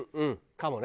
かもね。